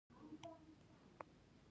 نو د حماقت په سيند کښې ډوبېږي.